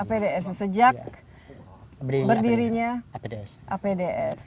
apds sejak berdirinya apds